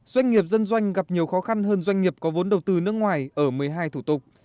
doanh nghiệp dân doanh gặp nhiều khó khăn hơn doanh nghiệp có vốn đầu tư nước ngoài ở một mươi hai thủ tục